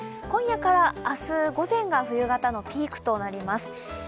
今夜から明日午前が冬型のピークとなります。